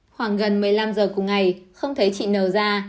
khoảng gần một mươi năm h cùng ngày không thấy chị n ra